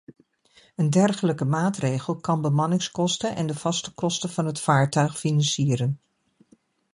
Een dergelijke maatregel kan bemanningskosten en de vaste kosten van het vaartuig financieren.